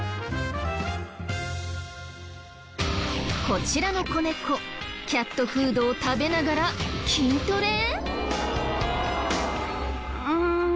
こちらの子猫キャットフードを食べながら筋トレ？